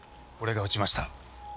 俺が撃ちました。